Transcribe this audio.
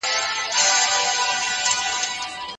سياستوال به د خپلو کړنو ځواب وايي.